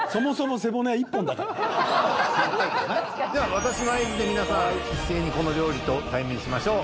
私の合図で皆さん一斉にこの料理と対面しましょう。